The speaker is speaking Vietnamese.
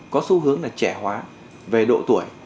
có xu hướng là trẻ hóa về độ tuổi